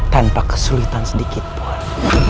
tanpa kesulitan sedikitpun